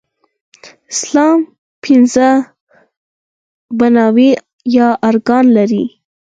اسلام پنځه بناوې يا ارکان لري